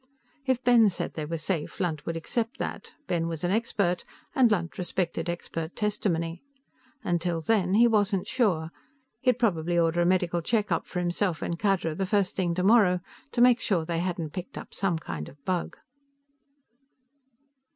If Ben said they were safe, Lunt would accept that. Ben was an expert, and Lunt respected expert testimony. Until then, he wasn't sure. He'd probably order a medical check up for himself and Khadra the first thing tomorrow, to make sure they hadn't picked up some kind of bug.